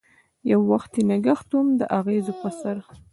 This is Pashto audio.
یووختي نګهت وم داغزو په سر